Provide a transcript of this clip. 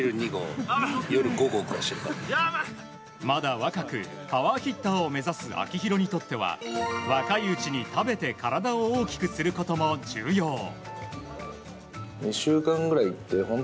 まだ若くパワーヒッターを目指す秋広にとっては若いうちに食べて体を大きくすることも重要。